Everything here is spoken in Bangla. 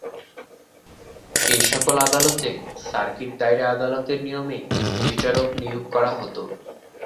এসকল আদালতে সার্কিট দায়রা আদালতের নিয়মে বিচারক নিয়োগ করা হতো।